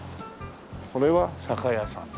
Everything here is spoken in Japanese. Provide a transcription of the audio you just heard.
これは酒屋さん。